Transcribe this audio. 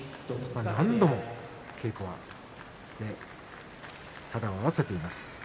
何度も稽古は肌を合わせています。